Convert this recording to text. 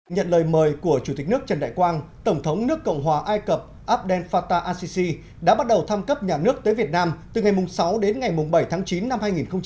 nhận lời mời của chủ tịch nước trần đại quang tổng thống nước cộng hòa ai cập abdel fatta asisi đã bắt đầu thăm cấp nhà nước tới việt nam từ ngày sáu đến ngày bảy tháng chín năm hai nghìn một mươi chín